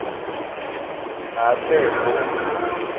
Ma gbele épölo